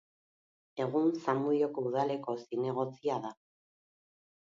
Egun, Zamudioko Udaleko zinegotzia da.